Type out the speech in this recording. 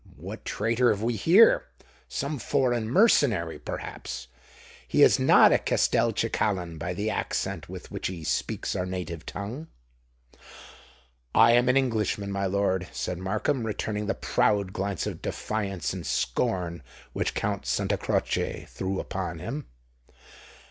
"What traitor have we here? Some foreign mercenary perhaps. He is not a Castelcicalan, by the accent with which he speaks our native tongue." "I am an Englishman, my lord," said Markham, returning the proud glance of defiance and scorn which Count Santa Croce threw upon him.